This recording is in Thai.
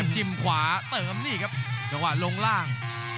จิ้มขวาเติมนี่ครับจังหวะลงล่าง